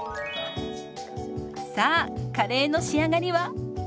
さあカレーの仕上がりは？